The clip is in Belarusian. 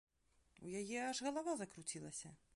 У яе аж галава закруцілася.